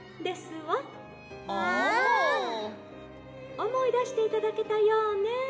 「おもいだしていただけたようね。